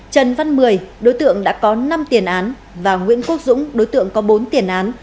trần văn mười đối tượng đã có năm tiền án và nguyễn quốc dũng đối tượng có bốn tiền án